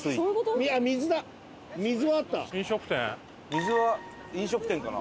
水は飲食店かな？